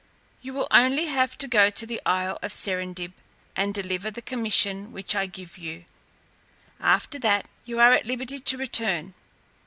You will only have to go to the isle of Serendib, and deliver the commission which I give you. After that you are at liberty to return.